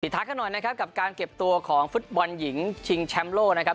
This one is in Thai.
ทักกันหน่อยนะครับกับการเก็บตัวของฟุตบอลหญิงชิงแชมป์โลกนะครับ